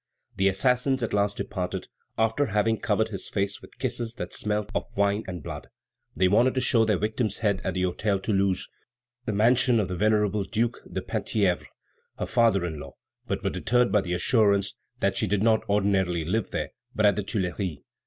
The assassins at last departed, after having covered his face with kisses that smelt of wine and blood. They wanted to show their victim's head at the Hôtel Toulouse, the mansion of the venerable Duke de Penthièvre, her father in law, but were deterred by the assurance that she did not ordinarily live there, but at the Tuileries.